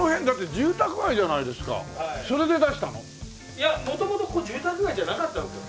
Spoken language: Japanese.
いや元々ここ住宅街じゃなかったんですよ。